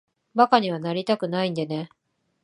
馬鹿にはなりたくないんでね。